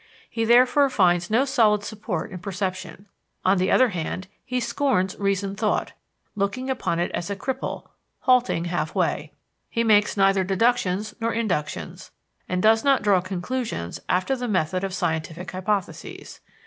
He therefore finds no solid support in perception. On the other hand, he scorns reasoned thought, looking upon it as a cripple, halting half way. He makes neither deductions nor inductions, and does not draw conclusions after the method of scientific hypotheses.